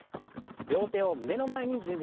両手を胸の前に準備します。